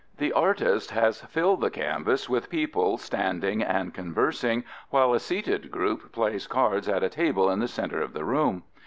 The artist has filled the canvas with people standing and conversing while a seated group plays cards at a table in the center of the room.